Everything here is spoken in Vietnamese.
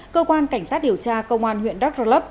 cơ quan cảnh sát điều tra công an huyện đắk rơ lấp